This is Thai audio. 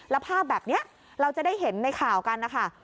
แล้วภาพแบบนี้เราจะได้เห็นในข่าวกันนะคะ